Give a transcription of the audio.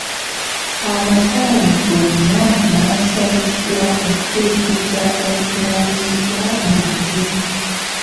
Abasawo bonna baasabiddwa okutuukiriza obuvunaanyizibwa bwabwe.